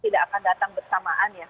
tidak akan datang bersamaan ya